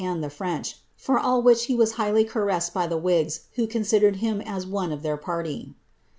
903 id the French, for all which he was highly caressed by the Whigs, who msidered him as one of their party.'